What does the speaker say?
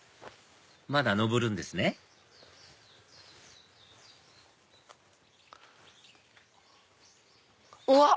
まだ上るんですねうわっ！